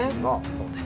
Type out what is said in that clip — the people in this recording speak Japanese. そうです。